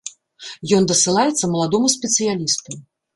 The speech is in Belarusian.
Ён дасылаецца маладому спецыялісту.